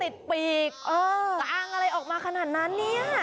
ตลอดภาพแพทย์